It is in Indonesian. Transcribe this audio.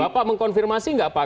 bapak mengkonfirmasi nggak pak